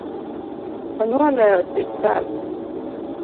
Onyuol e osiptal